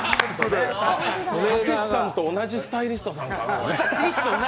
たけしさんと同じスタイリストかな？